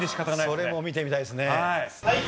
それも見てみたいですね。